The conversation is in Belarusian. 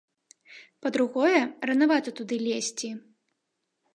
Па-другое, ранавата туды лезці.